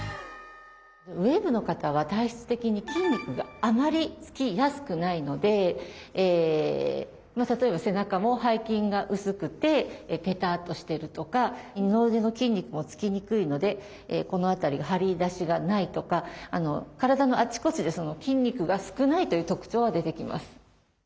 ウエーブの方は体質的に筋肉があまり付きやすくないので例えば背中も背筋が薄くてペタッとしてるとか二の腕の筋肉も付きにくいのでこの辺りが張り出しがないとか体のあちこちで筋肉が少ないという特徴は出てきます。